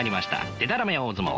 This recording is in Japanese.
でたらめ大相撲。